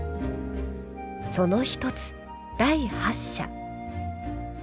その一つ、第八社。